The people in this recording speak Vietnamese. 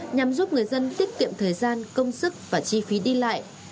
nhằm giúp người dân tiết kiệm thời gian công sức và chi phí đi lại